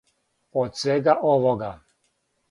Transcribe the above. Од свега овога.